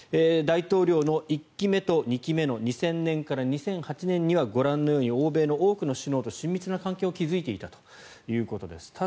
大統領の１期目と２期目の２０００年から２００８年にはご覧のように欧米の多くの首脳と親密な関係を築いていたということです。